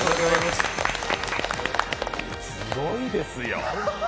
すごいですよ。